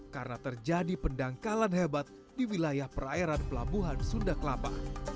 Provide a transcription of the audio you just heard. karena terjadi pendangkalan hebat di wilayah perairan pelabuhan sunda kelapa